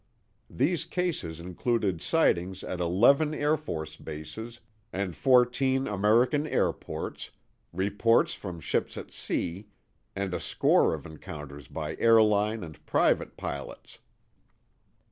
These cases included sightings at eleven Air Force bases and fourteen American airports, reports from ships at sea, and a score of encounters by airline and private pilots.